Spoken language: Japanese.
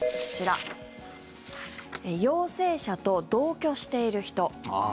こちら陽性者と同居している人。